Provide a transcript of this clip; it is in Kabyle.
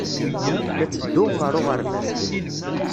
La ttedduɣ ɣer uɣerbaz.